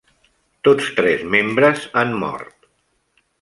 Tots tres membres han mort.